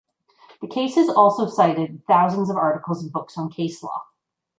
The case is also cited in thousands of articles and books on case law.